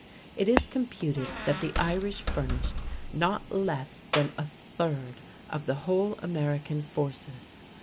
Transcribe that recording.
It is computed that the Irish furnished not less than a third of the whole American forces.